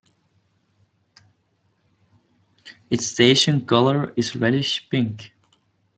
Its station colour is reddish-pink.